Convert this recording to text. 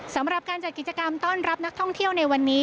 สำหรับการจัดกิจกรรมต้อนรับนักท่องเที่ยวในวันนี้